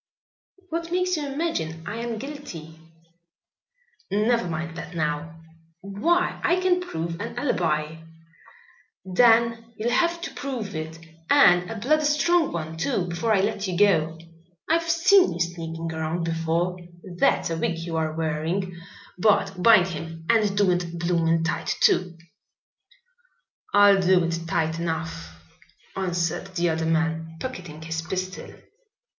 "What makes you imagine I am guilty?" "Never mind that now." "Why, I can prove an alibi." "Then you'll have to prove it, and a bloody strong one too, before I let you go. I've seen you sneaking around before. That's a wig you are wearing. Bart, bind him, and do it bloomin' tight, too." "I'll do it tight enough," answered the other man, pocketing his pistol.